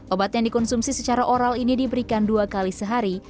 obat yang dikonsumsi secara oral ini diberikan dua kali sehari